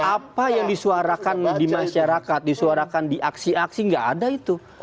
apa yang disuarakan di masyarakat disuarakan di aksi aksi nggak ada itu